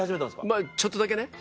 まぁちょっとだけね。